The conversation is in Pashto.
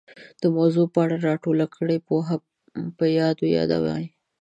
د موضوع په اړه را ټوله کړې پوهه په یادو یادوي